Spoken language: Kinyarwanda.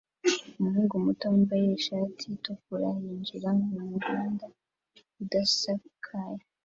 Umuhungu muto wambaye ishati itukura yinjira mumuhanda udasakaye